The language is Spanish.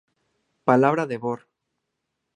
Palabra de Vor.